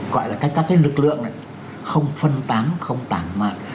gọi là các cái lực lượng này không phân tán không tản mạng